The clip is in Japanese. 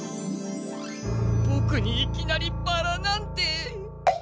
ボクにいきなりバラなんて。